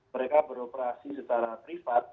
mereka beroperasi secara privat